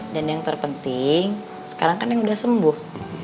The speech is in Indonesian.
dan yang terpenting sekarang kan yang udah sembuh